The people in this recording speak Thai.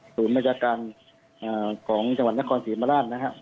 ศูนย์วจ้างการของจังหวัดนครสีธรรมราช